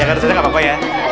ya kan ustaz zanur gapapa ya